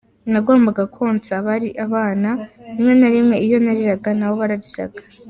Nagombaga konsa abari abana, rimwe na rimwe iyo nariraga nabo barariraga.